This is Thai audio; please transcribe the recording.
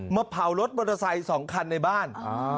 มาเผารถมอเตอร์ไซค์๒คันในบ้าน